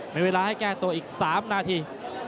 มีเวลาให้แก้ตัวอีก๓นาที